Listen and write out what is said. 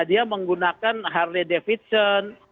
dia menggunakan harley davidson